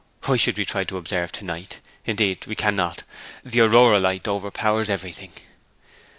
Why should we try to observe to night? Indeed, we cannot; the Aurora light overpowers everything.'